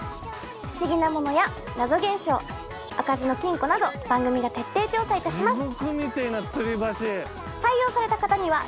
不思議なものや謎現象開かずの金庫など番組が徹底調査いたします。